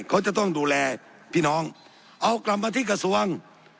เขาจะต้องดูแลพี่น้องเอากลับมาที่กระทรวง